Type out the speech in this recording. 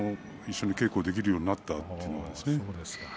一緒に稽古できるようになったというのはですね。